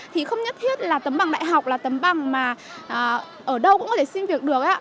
thì không nhất thiết là tấm bằng đại học là tấm bằng mà ở đâu cũng có thể xin việc được